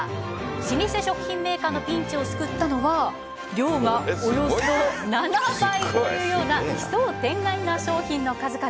老舗食品メーカーのピンチを救ったのは量が、およそ７倍という奇想天外な商品の数々。